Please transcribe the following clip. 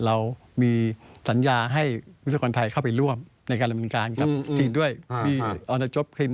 และก็เรื่องของดูเรื่องระบบอำนักสัญญาเนี่ย